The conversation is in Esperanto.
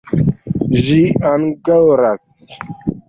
Ĝi angoras.